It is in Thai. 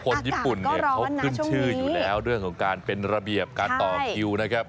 คนญี่ปุ่นเนี่ยเขาขึ้นชื่ออยู่แล้วเรื่องของการเป็นระเบียบการต่อคิวนะครับ